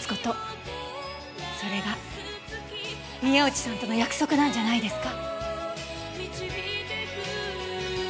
それが宮内さんとの約束なんじゃないですか？